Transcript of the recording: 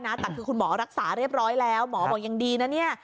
แต่คือคุณหมอรักษาเรียบร้อยแล้วหมอบอกยังดีนะเนี่ย